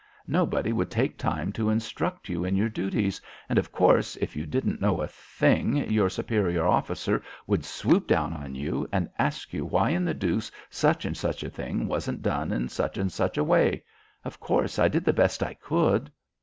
Nobody would take time to instruct you in your duties, and of course if you didn't know a thing your superior officer would swoop down on you and ask you why in the deuce such and such a thing wasn't done in such and such a way. Of course I did the best I could."